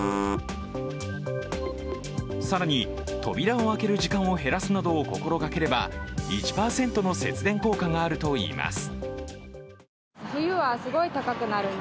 更に、扉を開ける時間を減らすなどを心がければ１％の節電効果があるといいます。